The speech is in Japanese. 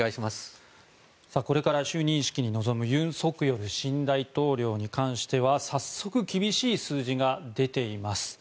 これから就任式に臨む尹錫悦新大統領に関しては早速、厳しい数字が出ています。